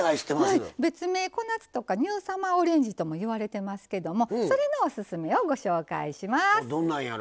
別名・小夏とかニューサマーオレンジともいわれてますけどもそれのオススメをご紹介します。